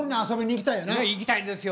行きたいですよ。